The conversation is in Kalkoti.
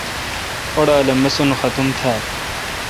اوڑال اے مسین ختُم تھال۔